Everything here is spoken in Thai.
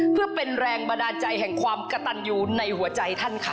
เพื่อเป็นแรงบันดาลใจแห่งความกระตันอยู่ในหัวใจท่านค่ะ